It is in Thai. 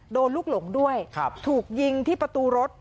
โดนลูกหลงด้วยถูกยิงที่ประตูรถ